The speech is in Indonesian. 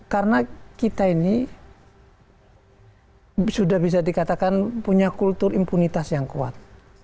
karena kita ini sudah bisa dikatakan punya kultur impunitas yang kuat